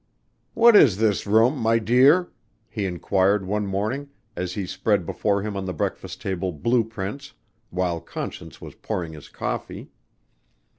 "What is this room, my dear?" he inquired one morning as he spread before him on the breakfast table blue prints, while Conscience was pouring his coffee.